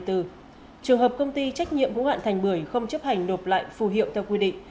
trường hợp công ty trách nhiệm hữu hạn thành bưởi không chấp hành nộp lại phù hiệu theo quy định